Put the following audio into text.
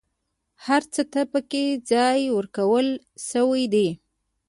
هر څه ته پکې ځای ورکول شوی دی.